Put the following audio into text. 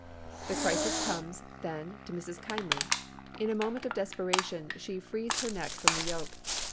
The crisis comes, then, to Mrs. Kindly. In a moment of desperation she frees her neck from the yoke.